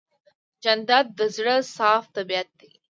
جانداد د زړه صاف طبیعت دی.